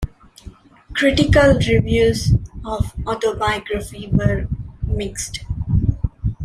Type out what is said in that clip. Critical reviews of "Autobiography" were mixed.